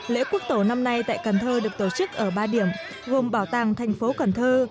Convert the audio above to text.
lễ quốc tổ năm nay tại cần thơ được tổ chức ở ba điểm gồm bảo tàng thành phố cần thơ